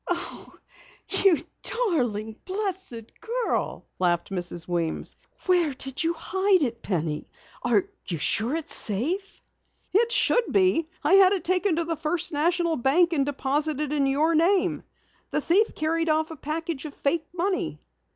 "Oh, you darling blessed girl!" laughed Mrs. Weems. "Where did you hide it, Penny? Are you sure it's safe?" "It should be. I had it taken to the First National Bank and deposited in your name. The thief carried off a package of fake money."